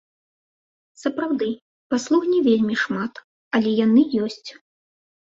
Сапраўды, паслуг не вельмі шмат, але яны ёсць.